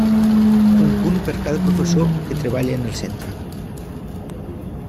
Un punt per cada professor que treballe en el centre.